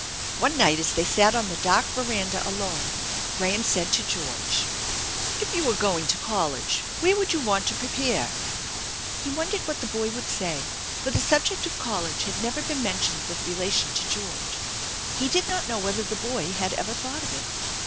One night, as they sat on the dark veranda alone, Graham said to George :" If you were going to college, where would you want to prepare ?" He wondered what the boy would say, for the subject of college had never been mentioned with relation to George. He did not know whether the boy had ever thought of it.